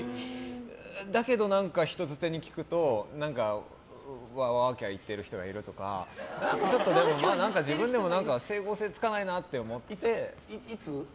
だけど何か、人づてに聞くとワーキャー言ってる人がいるとかでも、自分でも整合性がつかないなと思っていて。